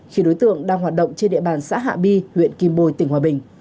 khi đối tượng đang hoạt động trên địa bàn xã hạ bi huyện kim bồi tỉnh hòa bình